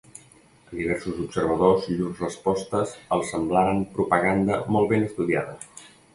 A diversos observadors llurs respostes els semblaren propaganda molt ben estudiada.